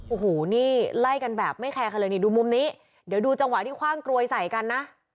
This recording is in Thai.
โอ้โหนี่ไล่กันแบบไม่แคร์กันเลยนี่ดูมุมนี้เดี๋ยวดูจังหวะที่คว่างกรวยใส่กันนะ